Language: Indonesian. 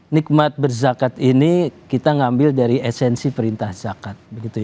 nikmat berzakat ini kita ngambil dari esensi perintah zakat